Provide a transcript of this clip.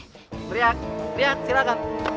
teriak teriak silahkan